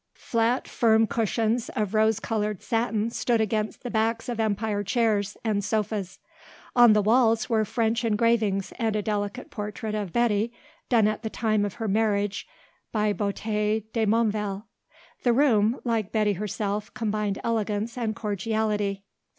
Flat, firm cushions of rose coloured satin stood against the backs of Empire chairs and sofas. On the walls were French engravings and a delicate portrait of Betty done at the time of her marriage by Boutet de Monvel. The room, like Betty herself, combined elegance and cordiality.